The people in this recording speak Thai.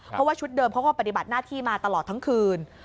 เพราะว่าชุดเดิมเขาก็ปฏิบัติหน้าที่มาตลอดทั้งคืน